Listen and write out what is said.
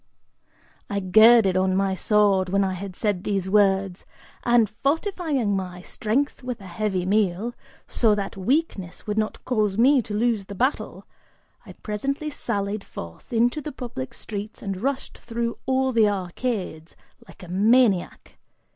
I girded on my sword, when I had said these words, and, fortifying my strength with a heavy meal, so that weakness would not cause me to lose the battle, I presently sallied forth into the public streets and rushed through all the arcades, like a maniac.